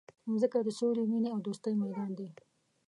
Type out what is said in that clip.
مځکه د سولي، مینې او دوستۍ میدان دی.